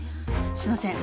すいません。